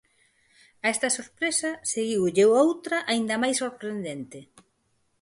A esta sorpresa seguiulle outra aínda máis sorprendente: